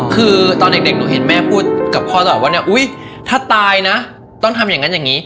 คือตอนเด็กหนูเห็นแม่พูดกับพ่อตลอดว่าเนี่ยอุ๊ยถ้าตายนะต้องทำอย่างนั้นอย่างนี้